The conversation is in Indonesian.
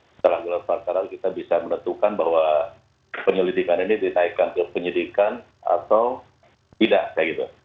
setelah gelar perkara kita bisa menentukan bahwa penyelidikan ini dinaikkan ke penyidikan atau tidak kayak gitu